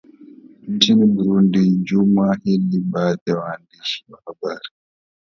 nchini burundi juma hili baadhi ya waandishi wa habari